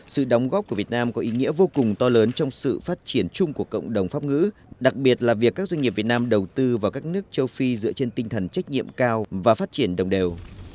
sự đóng góp của việt nam có ý nghĩa vô cùng to lớn trong sự phát triển chung của cộng đồng pháp ngữ đặc biệt là việc các doanh nghiệp việt nam đầu tư vào các nước châu phi dựa trên tinh thần trách nhiệm cao và phát triển đồng đều